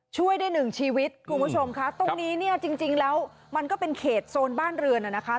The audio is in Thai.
ช่วยได้หนึ่งชีวิตคุณผู้ชมค่ะตรงนี้เนี่ยจริงแล้วมันก็เป็นเขตโซนบ้านเรือนน่ะนะคะ